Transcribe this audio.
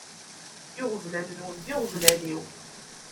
Iɣeblan-nwen d iɣeblan-iw.